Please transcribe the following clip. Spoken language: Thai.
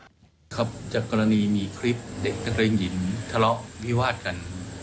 ครับครับจากกรณีมีคลิปเด็กนักเรียนหญิงทะเลาะวิวาดกัน